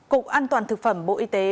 cục an toàn thực phẩm bộ y tế